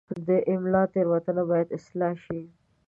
د املا تېروتنه باید اصلاح شي.